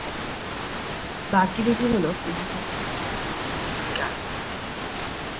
বাকি দু’টি হলো কৃষি শিক্ষা ও কৃষিবনবিজ্ঞান।